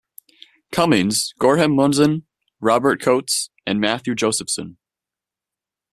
Cummings, Gorham Munson, Robert Coates and Matthew Josephson.